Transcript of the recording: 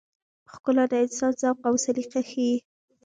ښکلا د انسان ذوق او سلیقه ښيي.